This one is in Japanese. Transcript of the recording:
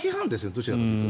どちらかというと。